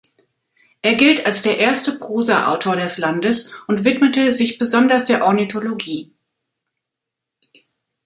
Er gilt als der erste Prosa-Autor des Landes und widmete sich besonders der Ornithologie.